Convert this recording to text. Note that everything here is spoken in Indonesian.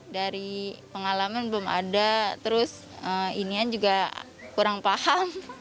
dari pengalaman belum ada terus inian juga kurang paham